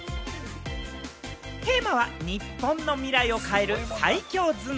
テーマは、日本の未来を変える最強頭脳。